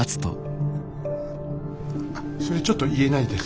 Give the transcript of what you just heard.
あそれちょっと言えないです。